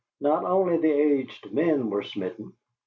Not only the aged men were smitten.